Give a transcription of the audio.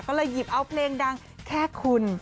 ก็เลยหยิบเอาเพลงดังแค่คุณ